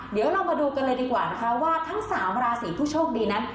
เดี๋ยวเรามาดูกันเลยดีกว่านะคะว่าทั้ง๓ราศีผู้โชคดีนั้น